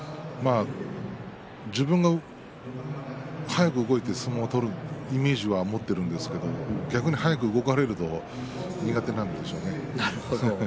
自分が早く動いて相撲を取るというイメージを持っているんですが逆に早く動かれると苦手なんでしょうね。